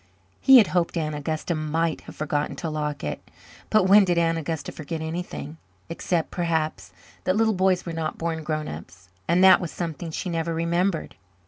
He had hoped Aunt Augusta might have forgotten to lock it; but when did Aunt Augusta forget anything? Except, perhaps, that little boys were not born grown ups and that was something she never remembered.